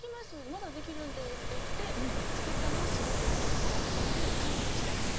まだできるんで」って言って作ったのがすごくいい曲になったんで感謝してます